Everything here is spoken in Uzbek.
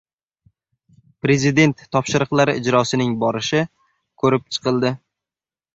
Prezident topshiriqlari ijrosining borishi ko‘rib chiqildi